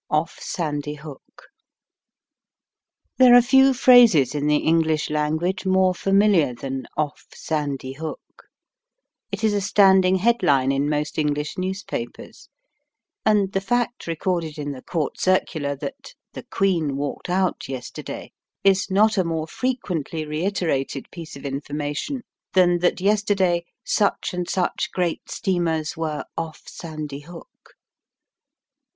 OFF SANDY HOOK." There are few phrases in the English language more familiar than "Off Sandy Hook/' It is a standing head line in most English news papers ; and the fact recorded in the Court Circular that " the Queen walked out yester day '' is not a more frequently reiterated piece of information than that yesterday such and such great steamers were " off Sandy Hook."